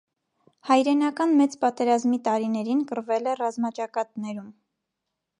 Հայրենական մեծ պատերազմի տարիներին կռվել է ռազմաճակատներում։